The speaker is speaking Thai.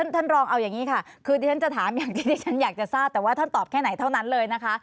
ท่านรองเอาอย่างนี้ค่ะคือที่ฉันจะถามอย่างที่ดิฉันอยากจะทราบแต่ว่าท่านตอบแค่ไหนเท่านั้นเลยนะคะ